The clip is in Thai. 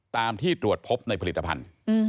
ตามที่ตรวจพบในผลิตภัณฑ์